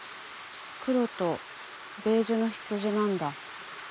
黒とベージュの羊なんだ。